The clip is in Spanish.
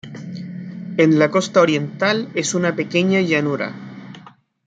En la costa oriental es una pequeña llanura.